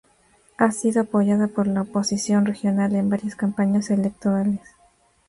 Ha sido apoyado por la oposición regional en varias campañas electorales.